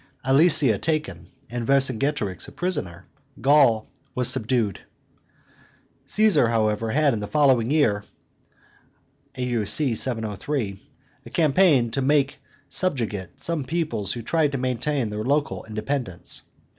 Alesia taken, and Vercingetorix a prisoner, Gaul was subdued. Caesar, however, had in the following year (A. U. C. 703) a campaign to make to subjugate some peoplets who tried to maintain their local independence.